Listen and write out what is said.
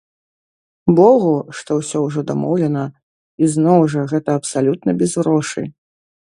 Богу, што ўсё ўжо дамоўлена, і зноў жа, гэта абсалютна без грошай!